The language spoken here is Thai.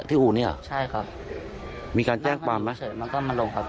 ที่อู่นี่เหรอใช่ครับมีการแจ้งกว่าไหมเฉยมันก็มาลงครับ